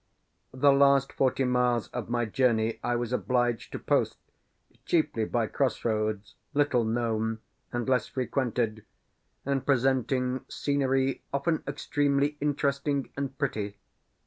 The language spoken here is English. The last forty miles of my journey I was obliged to post, chiefly by cross roads, little known, and less frequented, and presenting scenery often extremely interesting and pretty.